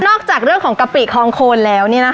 นอกจากเรื่องของกะปิกคองโคนแล้วเนี่ยนะคะ